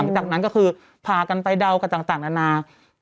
หลังจากนั้นก็คือพากันไปเดากันต่างนานา